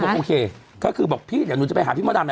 คือบอกโอเคเขาก็คือบอกพี่เดี๋ยวหนูจะไปหาพี่มดามแหละ